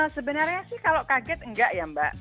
sebenarnya sih kalau kaget enggak ya mbak